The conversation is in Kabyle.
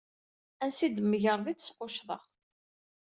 Ansa i d-tmegreḍ i d-squccḍeɣ.